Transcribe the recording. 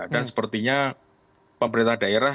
dan sepertinya pemerintah daerah